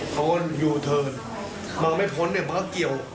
เพราะว่าอยู่เทอร์นมาจะไม่พ้นมันก็เกี่ยว